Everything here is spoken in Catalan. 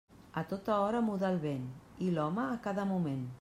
A tota hora muda el vent, i l'home a cada moment.